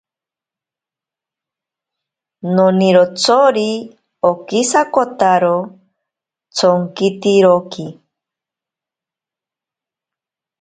Nonirotsori okisakotakaro tsonkitiroki.